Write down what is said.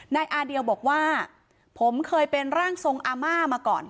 นายอาเดียวบอกว่าผมเคยเป็นร่างทรงอาม่ามาก่อน